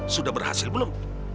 sudah berhasil belum